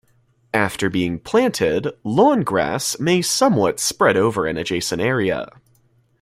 After being planted, lawn grass may somewhat spread over an adjacent area.